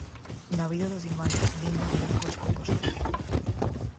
Na vida das irmás Fandiño, había dúas Compostela.